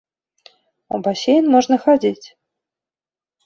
У басейн можна хадзіць.